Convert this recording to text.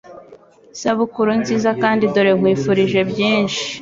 sabukuru nziza kandi dore nkwifurije byinshi